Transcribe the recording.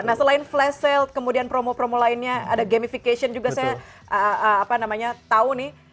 nah selain flash sale kemudian promo promo lainnya ada gamification juga saya tahu nih